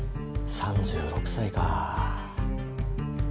３６歳か。